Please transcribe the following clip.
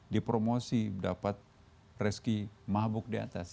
di promosi dapat rezeki mabuk di atas